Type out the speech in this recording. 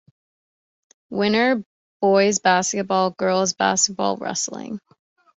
Winter: Boys' Basketball, Girls' Basketball, Wrestling.